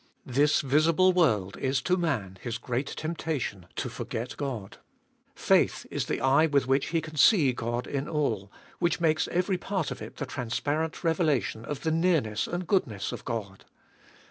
This visible world is to man his great temptation to forget God. Faith is the eye with which he can see God in all, which makes every part of it the transparent revelation of the nearness and goodness of God.